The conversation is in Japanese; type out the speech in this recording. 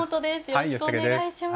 よろしくお願いします